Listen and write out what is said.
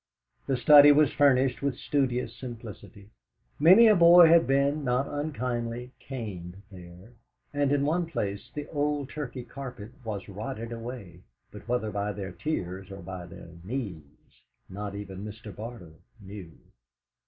The study was furnished with studious simplicity; many a boy had been, not unkindly, caned there, and in one place the old Turkey carpet was rotted away, but whether by their tears or by their knees, not even Mr. Barter knew.